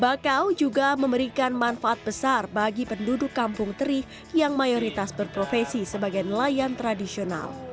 bakau juga memberikan manfaat besar bagi penduduk kampung teri yang mayoritas berprofesi sebagai nelayan tradisional